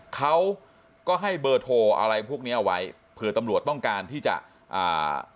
เขาก็ให้เบอร์โทรอะไรพวกเนี้ยเอาไว้เผื่อตำรวจต้องการที่จะอ่า